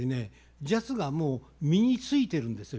ジャズがもう身についてるんですよ